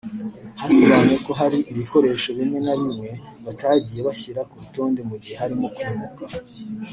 hasobanuwe ko hari ibikoresho bimwe na bimwe batagiye bashyira ku rutonde mu gihe barimo kwimuka